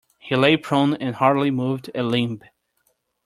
He lay prone and hardly moved a limb.